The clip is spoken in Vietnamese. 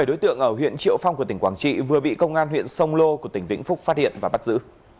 bảy đối tượng ở huyện triệu phong của tỉnh quảng trị vừa bị công an huyện sông lô của tỉnh vĩnh phúc phát hiện và bắt giữ